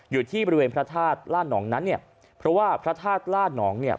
อยู่ที่บริเวณพระธาตุล่านองนั้นเนี่ยเพราะว่าพระธาตุล่าหนองเนี่ย